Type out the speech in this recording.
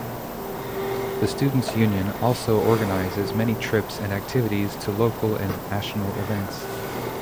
The Students' Union also organises many trips and activities to local and national events.